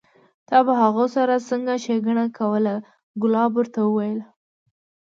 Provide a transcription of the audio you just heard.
تا به هغو سره څنګه ښېګڼه کوله؟ کلاب ورته وویل: